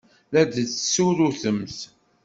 La d-tessurrutemt?